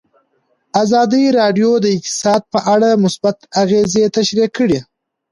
ازادي راډیو د اقتصاد په اړه مثبت اغېزې تشریح کړي.